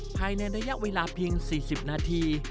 ภายในระยะเวลาเพียง๔๐นาที